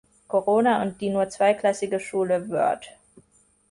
Korona und die nur zweiklassige Schule Wörth.